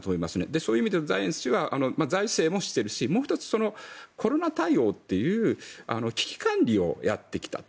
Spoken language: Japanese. そういう意味でザイエンツ氏は財政もしているしもう１つ、コロナ対応という危機管理をやってきたと。